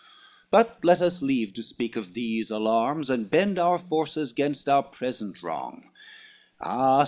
But let us leave to speak of these alarms, And bend our forces gainst our present wrong: Ah!